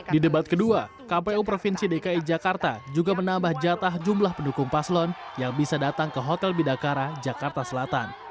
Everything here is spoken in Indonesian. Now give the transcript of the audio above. di debat kedua kpu provinsi dki jakarta juga menambah jatah jumlah pendukung paslon yang bisa datang ke hotel bidakara jakarta selatan